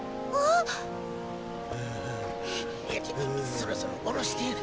そろそろ降ろしてぇな。